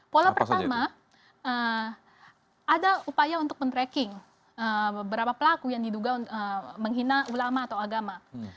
pola pertama ada upaya untuk men tracking beberapa pelaku yang diduga menghina ulama atau agama